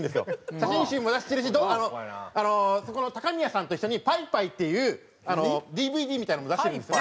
写真集も出してるしあのそこの高宮さんと一緒に『牌×牌』っていうＤＶＤみたいなのも出してるんですよ。